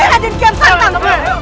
radin kian santang